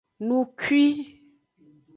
Nukwi.